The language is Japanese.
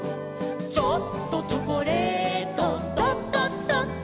「ちょっとチョコレート」「ドドドド」